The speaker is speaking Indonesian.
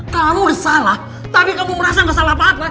kalau lo udah salah tapi kamu merasa nggak salah apa apa